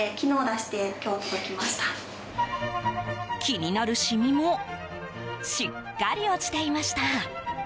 気になる染みもしっかり落ちていました。